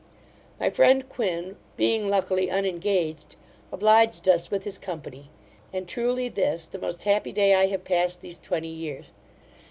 My friend Quin, being luckily unengaged, obliged us with his company; and, truly, this the most happy day I have passed these twenty years.